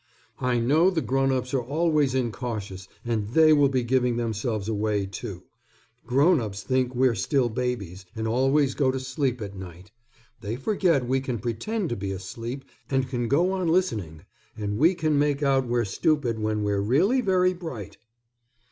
I know the grown ups are always incautious, and they will be giving themselves away, too. Grown ups think we're still babies and always go to sleep at night. They forget we can pretend to be asleep and can go on listening, and we can make out we're stupid when we're really very bright."